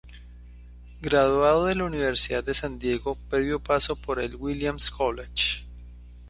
Graduado de la Universidad de San Diego previo paso por el Williams College.